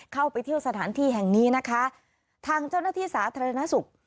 เข้าไปเที่ยวสถานที่แห่งนี้นะคะทางเจ้าหน้าที่สาธารณสุข